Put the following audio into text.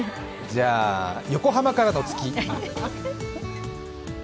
じゃあ、横浜からの月。